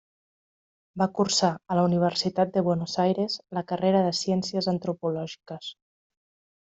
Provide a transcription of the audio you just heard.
Va cursar a la Universitat de Buenos Aires la carrera de Ciències Antropològiques.